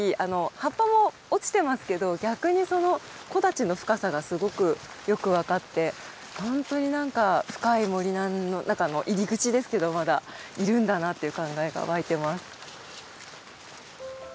葉っぱも落ちてますけど逆に木立の深さがすごくよく分かってほんとになんか深い森の中の入り口ですけどまだいるんだなという感慨が湧いてます。